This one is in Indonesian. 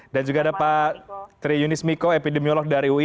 dan juga ada pak tri yunis miko epidemiolog dari ui